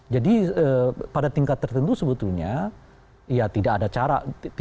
jadi pada tingkat tertentu sebetulnya ya tidak ada cara